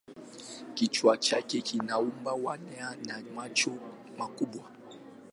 Kichwa chake kina umbo wa yai na macho makubwa.